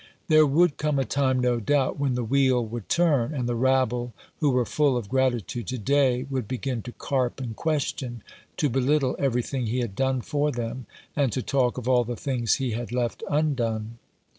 There would come a time, no doubt, when the wheel would turn, and the rabble who were full of gratitude to day would begin to carp and question, to belittle everything he had done for them, and to talk of all the things he had left undone.